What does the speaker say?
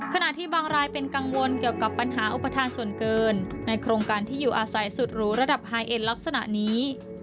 ขณะที่บางรายเป็นกังวลเกี่ยวกับปัญหาอุปทานส่วนเกินในโครงการที่อยู่อาศัยสุดหรูระดับไฮเอ็นลักษณะนี้